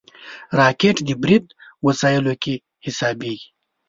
راکټ د برید وسایلو کې حسابېږي